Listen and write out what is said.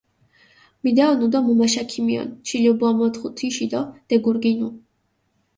მიდეჸონუ დო მუმაშა ქიმიჸონ, ჩილობუა მოთხუ თიში დო დეგურგინუ.